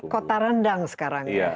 ini kota rendang sekarang ya